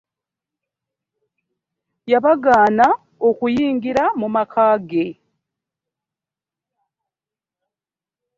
Yabagaana okuyingira mu maka ge.